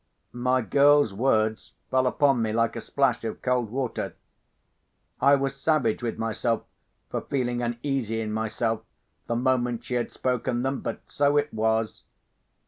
My girl's words fell upon me like a splash of cold water. I was savage with myself, for feeling uneasy in myself the moment she had spoken them—but so it was.